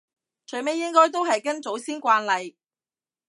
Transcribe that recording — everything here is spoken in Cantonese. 最尾應該都係跟祖先慣例